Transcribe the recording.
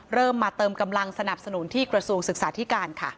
เริ่มมาเติมกำลังสนับสนุนที่กระทรวงศึกษาธิการค่ะ